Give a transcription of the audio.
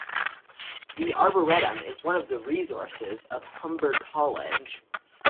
The Arboretum is one of the resources of Humber College.